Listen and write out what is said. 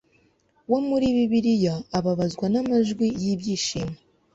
wo muri Bibiliya ababazwa namajwi yibyishimo